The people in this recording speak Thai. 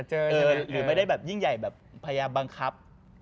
หรือไม่ได้แบบยิ่งใหญ่แบบพยายามบังคับ